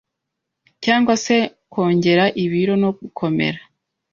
cg se kongera ibiro no gukomera